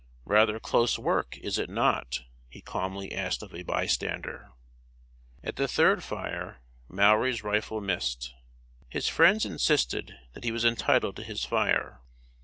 "Rather close work, is it not?" he calmly asked of a bystander. At the third fire, Mowry's rifle missed. His friends insisted that he was entitled to his fire.